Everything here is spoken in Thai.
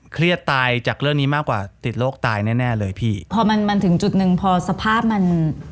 เครียดตายจากเรื่องนี้มากกว่าติดโรคตายแน่แน่เลยพี่พอมันมันถึงจุดหนึ่งพอสภาพมัน